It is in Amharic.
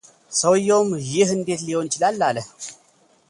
ሰውየውም ይህ እንዴት ሊሆን ይችላል አለ፡፡